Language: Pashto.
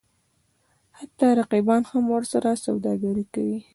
حتی رقیبان هم ورسره سوداګري کوي.